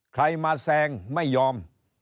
ใครมาแซงไม่ยอม